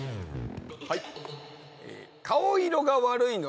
はい。